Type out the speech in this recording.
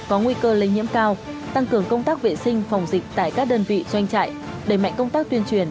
có nguy cơ lây nhiễm cao tăng cường công tác vệ sinh phòng dịch tại các đơn vị doanh trại đẩy mạnh công tác tuyên truyền